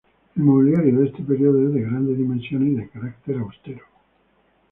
El mobiliario de este período es de grandes dimensiones y de carácter austero.